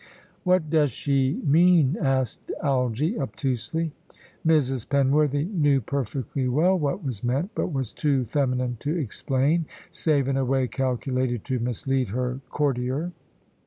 "What does she mean?" asked Algy, obtusely. Mrs. Penworthy knew perfectly well what was meant, but was too feminine to explain, save in a way calculated to mislead her courtier.